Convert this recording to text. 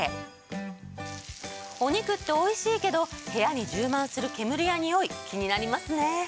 お肉っておいしいけど部屋に充満する煙やにおい気になりますね。